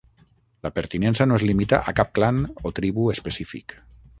La pertinença no es limita a cap clan o tribu específic.